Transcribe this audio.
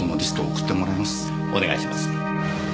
お願いします。